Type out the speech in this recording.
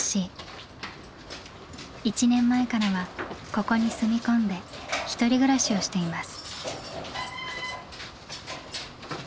１年前からはここに住み込んで１人暮らしをしています。